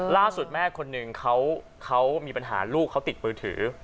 ล่าสุดแม่คนหนึ่งเขามีปัญหาลูกเขาติดมือถือ